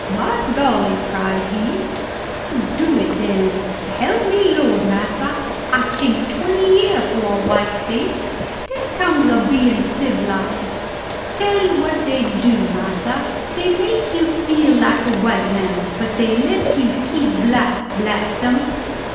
"By golly!" cried he, "I'll do it den. S'elp me de Lord, massa, I'd chink twenty year for a white face. Dat comes ob bein' civilized. Tell'ee what dey dew, massa, dey makes you feel like a white man, but dey lets you keep black, blast 'em!"